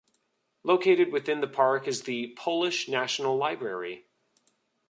Located within the park is the Polish National Library.